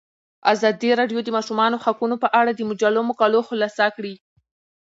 ازادي راډیو د د ماشومانو حقونه په اړه د مجلو مقالو خلاصه کړې.